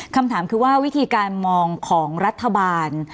คำถามคือว่าวิธีการมองของรัฐบาล